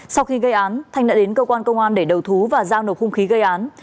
sau khi gây án thanh đã đến cơ quan công an để đầu thú và giao nộp hung khí gây án